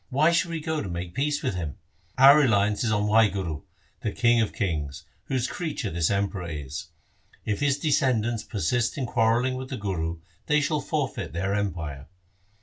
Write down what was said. Why should we go to make peace with him ? Our reliance is on Wahguru, the King of kings, whose creature this Emperor is. If his descendants persist in quarrelling with the Guru, they shall forfeit their empire.